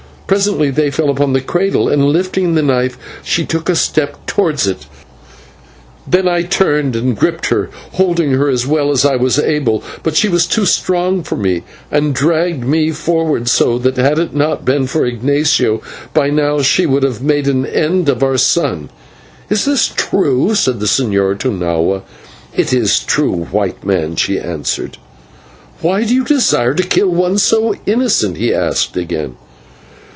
Presently they fell upon the cradle, and, lifting the knife, she took a step towards it. Then I turned and gripped her, holding her as well as I was able; but she was too strong for me and dragged me forward, so that had it not been for Ignatio here, by now she would have made an end of our son." "Is this true?" said the señor to Nahua. "It is true, White Man," she answered. "Why do you desire to kill one so innocent?" he asked again.